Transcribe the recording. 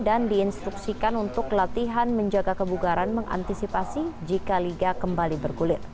dan diinstruksikan untuk latihan menjaga kebugaran mengantisipasi jika liga kembali berkulit